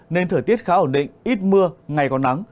nên thời tiết khá ổn định ít mưa ngày còn nắng